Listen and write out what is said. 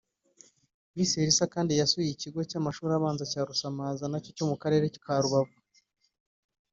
Miss Elsa kandi yasuye ikigo cy’amashuri abanza cya Rusamaza nacyo cyo mu Karere ka Rubavu